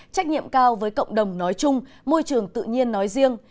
trách nhiệm cao với cộng đồng nói chung môi trường tự nhiên nói riêng